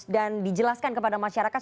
dan dijelaskan kepada masyarakat